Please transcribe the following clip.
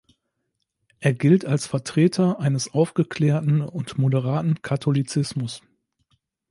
Er gilt als Vertreter eines aufgeklärten und moderaten Katholizismus.